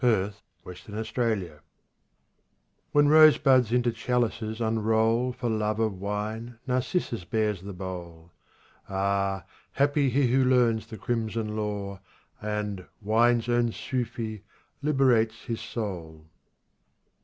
G. RUBA'IYAT OF HAFIZ When rosebuds into chalices unroll For love of wine Narcissus bears the bowl. Ah ! happy he who learns the crimson lore, And, wine's own Sufi, liberates his soul.